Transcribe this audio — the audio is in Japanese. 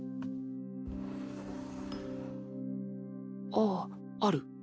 ああある。